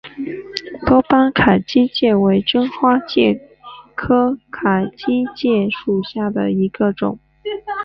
多斑凯基介为真花介科凯基介属下的一个种。